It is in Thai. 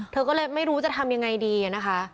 เธอก็เลยไม่รู้จะทำยังไงดีนะคะ